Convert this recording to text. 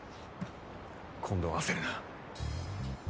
今度は焦るな。